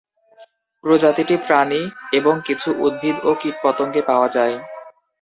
প্রজাতিটি প্রাণী এবং কিছু উদ্ভিদ ও কীটপতঙ্গে পাওয়া যায়।